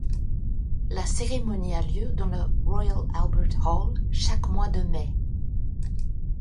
La cérémonie a lieu dans le Royal Albert Hall chaque mois de mai.